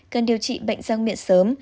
cần điều trị bệnh răng miệng sớm